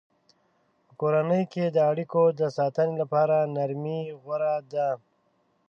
په کورنۍ کې د اړیکو د ساتنې لپاره نرمي غوره ده.